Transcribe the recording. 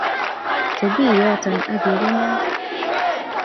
Tebi yoto, agiganyan